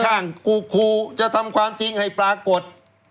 ครูจะทำความจริงให้ปรากฏ